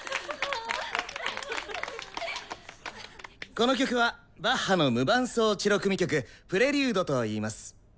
この曲はバッハの無伴奏チェロ組曲「プレリュード」と言います。